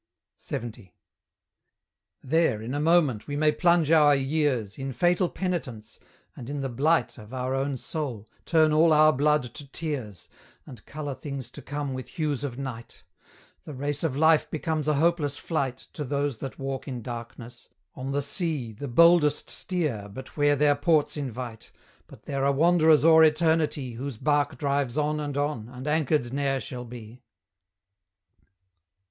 LXX. There, in a moment, we may plunge our years In fatal penitence, and in the blight Of our own soul, turn all our blood to tears, And colour things to come with hues of Night; The race of life becomes a hopeless flight To those that walk in darkness: on the sea, The boldest steer but where their ports invite, But there are wanderers o'er Eternity Whose bark drives on and on, and anchored ne'er shall be.